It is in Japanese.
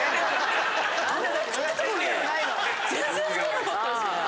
全然太んなかったですね。